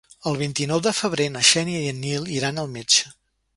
El vint-i-nou de febrer na Xènia i en Nil iran al metge.